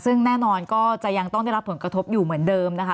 ซึ่งแน่นอนก็จะยังต้องได้รับผลกระทบอยู่เหมือนเดิมนะคะ